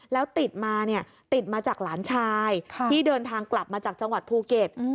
แล้วติดมาจากหลานชายที่เดินทางกลับมาจากจังหวัดภูเกษ